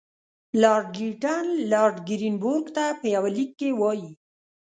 لارډ لیټن لارډ ګرین بروک ته په یوه لیک کې وایي.